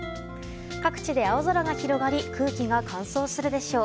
各地で青空が広がり空気が乾燥するでしょう。